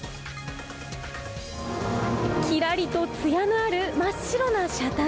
きらりとつやのある真っ白な車体。